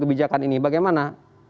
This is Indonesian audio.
bijakan ini bagaimana